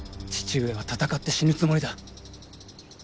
父上は戦って死ぬつもりだ。